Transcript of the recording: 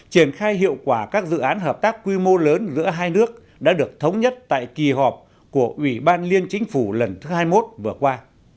triển khai hiệu quả các dự án hợp tác quy mô lớn giữa hai nước đã được thống nhất tại kỳ họp của ủy ban liên chính phủ lần thứ hai mươi một vừa qua